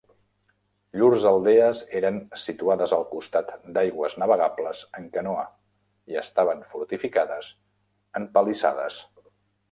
Llurs aldees eren situades al costat d'aigües navegables en canoa, i estaven fortificades amb palissades.